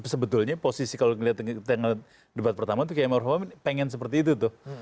sebetulnya posisi kalau kita lihat di tengah debat pertama itu kiai maruf amin pengen seperti itu tuh